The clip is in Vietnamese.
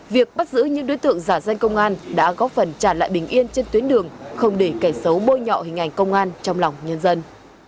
việc bắt giữ những đối tượng giả danh công an đã góp phần trả lại bình yên trên tuyến đường không để kẻ xấu bôi nhọ hình ảnh công an trong lòng nhân dân